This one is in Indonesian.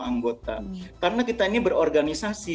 anggota karena kita ini berorganisasi